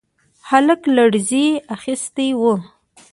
هلک لړزې اخيستی و.